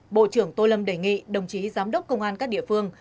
bộ trưởng tô lâm đề nghị đồng chí giám đốc công an các địa phương